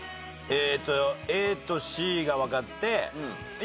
えっとＡとＣがわかって。